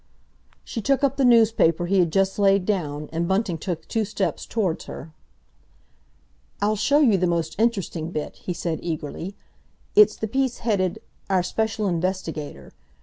She took up the newspaper he had just laid down, and Bunting took two steps towards her. "I'll show you the most interesting bit" he said eagerly. "It's the piece headed, 'Our Special Investigator.